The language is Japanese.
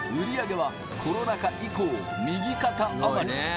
売上はコロナ禍以降、右肩上がり。